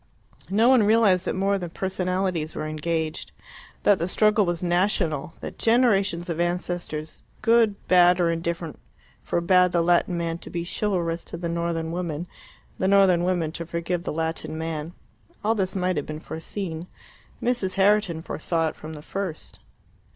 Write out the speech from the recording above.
No one realized that more than personalities were engaged; that the struggle was national; that generations of ancestors, good, bad, or indifferent, forbad the Latin man to be chivalrous to the northern woman, the northern woman to forgive the Latin man. All this might have been foreseen: Mrs. Herriton foresaw it from the first.